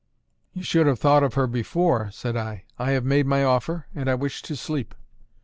"You should have thought of her before," said I. "I have made my offer, and I wish to sleep."